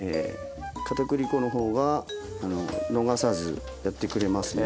片栗粉の方は逃さずやってくれますね。